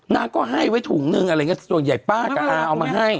นางก็ให้ไว้ถุงนึงอะไรอย่างเงี้ส่วนใหญ่ป้ากับอาเอามาให้